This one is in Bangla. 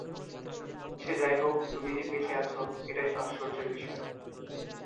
সে যাই হোক, তুমি বেঁচে আছো এটাই তো আশ্চর্যের বিষয়।